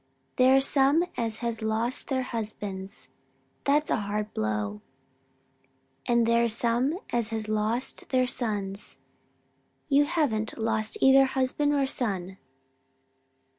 There's some as has lost their husbands; that's a hard blow; and there's some as has lost their sons. You haven't lost either husband or son.'